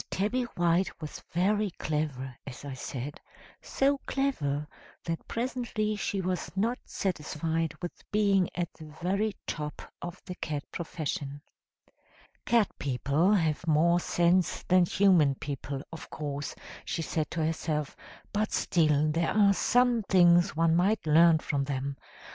Tabby White was very clever, as I said so clever that presently she was not satisfied with being at the very top of the cat profession. "'Cat people have more sense than human people, of course,' she said to herself; 'but still there are some things one might learn from them.